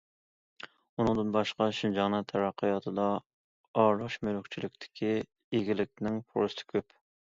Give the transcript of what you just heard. ئۇنىڭدىن باشقا، شىنجاڭنىڭ تەرەققىياتىدا ئارىلاش مۈلۈكچىلىكتىكى ئىگىلىكنىڭ پۇرسىتى كۆپ.